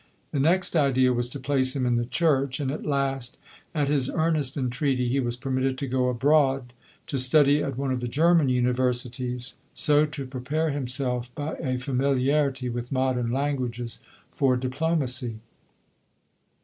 The next idea was to place him in the church ; and at last, at his earnest entreaty, he was permitted to go abroad, to study at one of the German universities, so to prepare himself, by a familiarity with modern languages, for diplomacy.